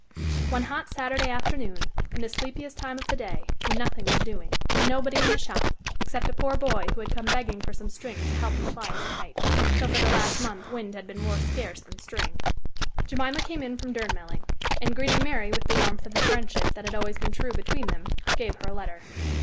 One hot Saturday afternoon, in the sleepiest time of the day, when nothing was doing; and nobody in the shop, except a poor boy who had come begging for some string to help him fly his kite, though for the last month wind had been more scarce than string, Jemima came in from Durnmelling, and, greeting Mary with the warmth of the friendship that had always been true between them, gave her a letter.